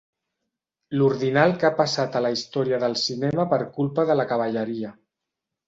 L'ordinal que ha passat a la història del cinema per culpa de la cavalleria.